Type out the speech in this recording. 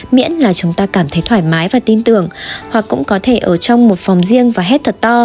miễn là chúng ta cảm thấy thoải mái và tin tưởng hoặc cũng có thể ở trong một phòng riêng và hết thật to